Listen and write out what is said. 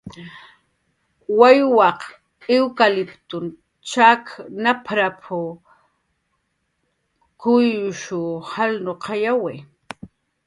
"Wawyaq iwkatliptun chak nap""rap"" kuyyush jalnuqayawi"